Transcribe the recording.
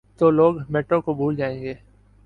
تو لوگ میٹرو کو بھول جائیں گے۔